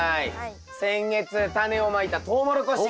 先月タネをまいたトウモロコシ。